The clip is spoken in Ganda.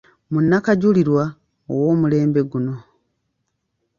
Munnakajulirwa ow’omulembe guno.